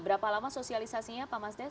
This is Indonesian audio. berapa lama sosialisasinya pak mas des kira kira